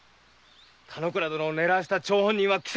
田之倉殿を狙わせた張本人は貴様だな！